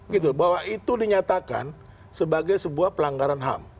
gitu bahwa itu dinyatakan sebagai sebuah pelanggaran ham